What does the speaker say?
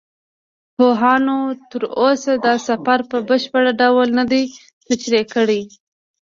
پوهانو تر اوسه دا سفر په بشپړ ډول نه دی تشریح کړی.